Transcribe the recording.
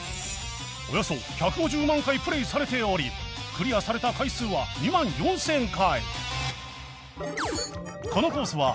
およそ１５０万回プレイされておりクリアされた回数は２万４０００回